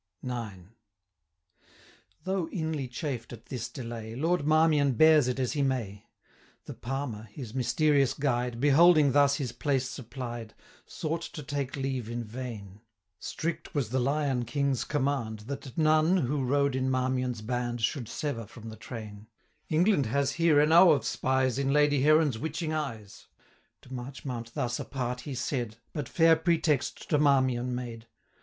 IX. Though inly chafed at this delay, Lord Marmion bears it as he may. 180 The Palmer, his mysterious guide, Beholding thus his place supplied, Sought to take leave in vain: Strict was the Lion King's command, That none, who rode in Marmion's band, 185 Should sever from the train: 'England has here enow of spies In Lady Heron's witching eyes;' To Marchmount thus, apart, he said, But fair pretext to Marmion made.